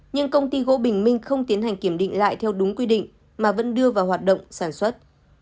nhưng công ty gỗ bình minh không tiến hành kiểm định lại theo đúng quy định mà vẫn đưa vào hoạt động sản xuất